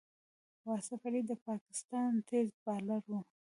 واصف علي د پاکستان تېز بالر وو.